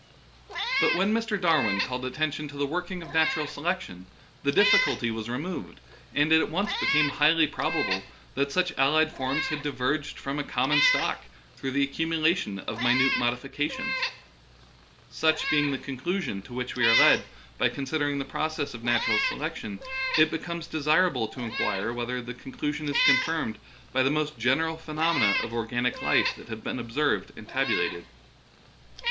But when Mr. Darwin called attention to the working of natural selection, the difficulty was removed, and it at once became highly probable that such allied forms had di verged from a common stock through the accumu lation of minute modifications. Such being the conclusion to which we are led by considering the process of natural selection, it becomes desirable to inquire whether the conclu sion is confirmed by the most general phenomena of organic life that have been observed and tab ulated.